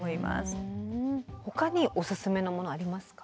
ほかにオススメのものはありますか？